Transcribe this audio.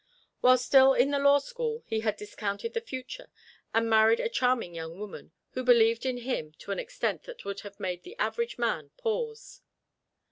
While still in the Law School he had discounted the future and married a charming young woman, who believed in him to an extent that would have made the average man pause.